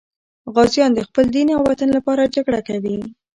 غازیان د خپل دین او وطن لپاره جګړه کوي.